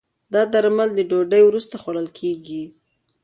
دا درمل د ډوډی وروسته خوړل کېږي.